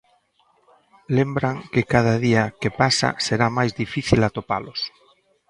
Lembran que cada día que pasa será máis difícil atopalos.